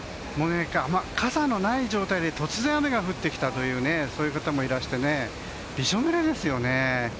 傘のない状態で突然、雨が降ってきたというそういう方もいらしてねびしょ濡れですよね。